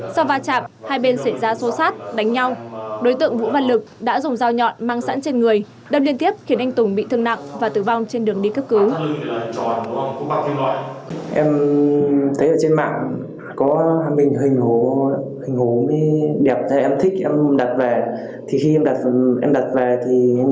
sau va chạm hai bên xảy ra xô sát đánh nhau đối tượng vũ văn lực đã dùng dao nhọn mang sẵn trên người đâm liên tiếp khiến anh tùng bị thương nặng và tử vong trên đường đi cấp cứu